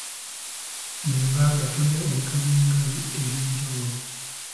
Mu Uganda tulina ebika by'engabi eby'enjawulo.